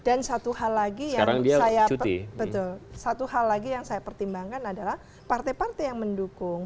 dan satu hal lagi yang saya pertimbangkan adalah partai partai yang mendukung